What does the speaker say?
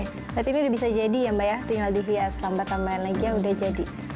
berarti ini udah bisa jadi ya mbak ya tinggal dihias lambat tambahan lagi ya udah jadi